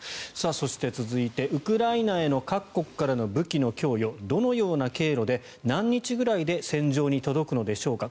そして、続いてウクライナへの各国からの武器の供与どのような経路で何日ぐらいで戦場に届くのでしょうか。